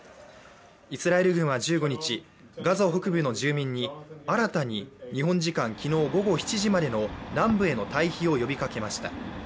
イスラエル軍は１５日、ガザ北部の住民に新たに日本時間昨日午後７時までの南部への退避を呼びかけました。